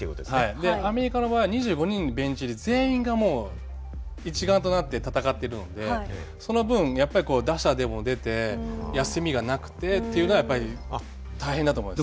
アメリカの場合は２５人ベンチ入り全員がもう一丸となって戦っているのでその分やっぱり打者でも出て休みがなくてというのはやっぱり大変だと思います。